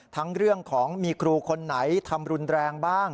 เรื่องของมีครูคนไหนทำรุนแรงบ้าง